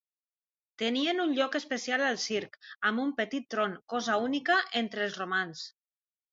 Tenien un lloc especial al circ, amb un petit tron, cosa única entre els romans.